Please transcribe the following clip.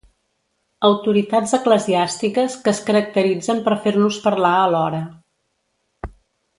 Autoritats eclesiàstiques que es caracteritzen per fer-nos parlar alhora.